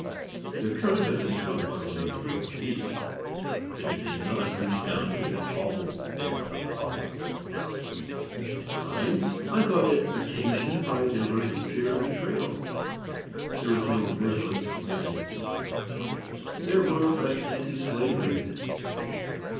The current of the still water may have run deep, but it did not reach down to that awful bed of lava. At times I thought it occasioned by the lurking fear of betrayal. There was no Vigilance Committee at the time,—there were but anti slavery men.